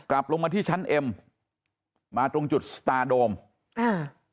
กลับลงมาที่ชั้นเอ็มมาตรงจุดสตาร์โดมอ่า